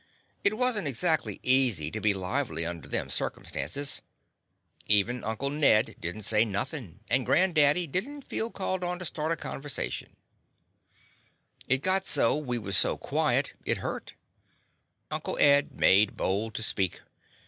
It was n't exactly easy to be lively under them circumstances. Even Uncle Ned did n't say nothin', and grand daddy did n't feel called on to start a conver The Confessions of a Daddy sation. It got so we was so quiet it hurt. Uncle Ed made bold to speak.